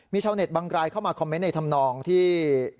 มีชาวเน็ตบางรายเข้ามาคอมเมนต์ในธรรมนองที่